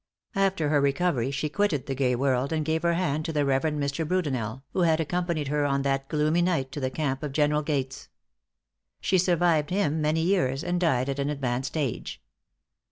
After her recovery she quitted the gay world, and gave her hand to the Rev. Mr. Brudenell, who had accompanied her on that gloomy night to the camp of General Gates. She survived him many years, and died at an advanced age.